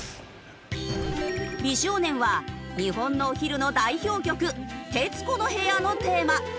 美少年は日本のお昼の代表曲『徹子の部屋のテーマ』。